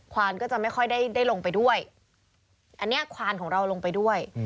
วานก็จะไม่ค่อยได้ลงไปด้วยอันนี้ควานของเราลงไปด้วย